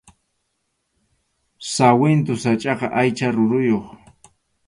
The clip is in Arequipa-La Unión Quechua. Sawintu sachʼaqa aycha ruruyuq